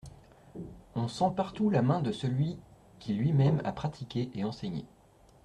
On sent partout la main de celui qui lui-même a pratiqué et enseigné.